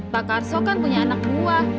pak karso kan punya anak buah